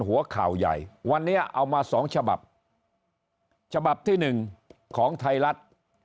หัวข่าวใหญ่วันนี้เอามาสองฉบับฉบับที่หนึ่งของไทยรัฐ